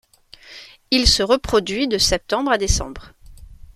Il se reproduit de septembre à décembre.